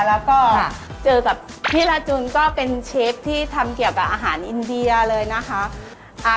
แล้วก็เจอกับพี่ลาจุนก็เป็นเชฟที่ทำเกี่ยวกับอาหารอินเดียเลยนะคะ